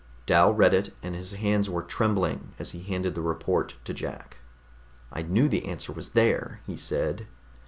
Dal read it, and his hands were trembling as he handed the report to Jack. "I knew the answer was there!" he said.